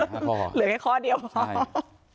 เหลือแค่ข้อเดียวพลอย